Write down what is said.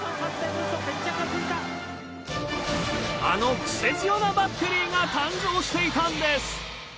あのクセ強なバッテリーが誕生していたんです。